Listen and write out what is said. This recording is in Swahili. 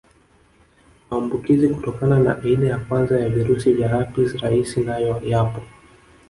Maambukizi kutokana na aina ya kwanza ya virusi vya herpes rahisi nayo yapo